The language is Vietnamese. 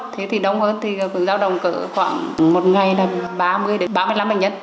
thế thì đông hơn thì cứ giao đồng cỡ khoảng một ngày là ba mươi đến ba mươi năm bệnh nhân